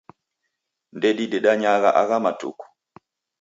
Ndedidedanyagha agha matuku